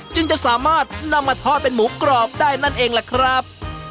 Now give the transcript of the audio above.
จึงจะสามารถนำมาทอดเป็นหมูกรอบได้นั่นเองล่ะครับ